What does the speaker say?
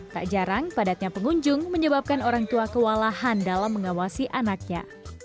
tak jarang padatnya pengunjung menyebabkan orang tua kewalahan dalam mengawasi anaknya